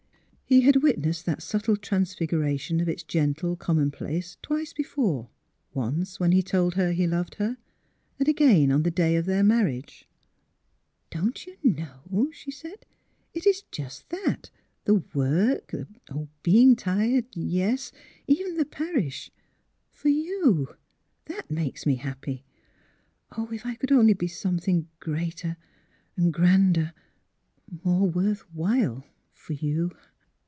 He had witnessed that subtle transfiguration of its gentle commonplace twice before ; once when he told her he loved her, and again on the day of their marriage. *' Don't you know," she said; "it is just that — the work, the — being tired, yes ; even the parish — for you — that makes me happy? Oh, if I could only be something greater, grander, more worth while — for you!